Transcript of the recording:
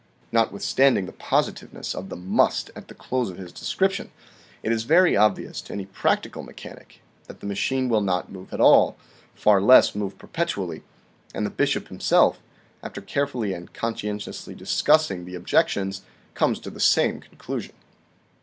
Notwithstanding the positiveness of the "must " at the close of his description, it is very obvious to any practical mechanic that the machine will not move at all, far less move perpetually, and the bishop himself, after carefully and conscientiously discussing the objections, comes to the same conclusion.